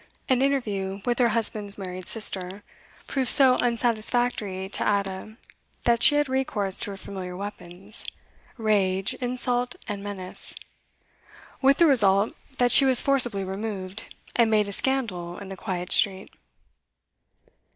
An interview with her husband's married sister proved so unsatisfactory to Ada, that she had recourse to her familiar weapons, rage, insult, and menace; with the result that she was forcibly removed, and made a scandal in the quiet street.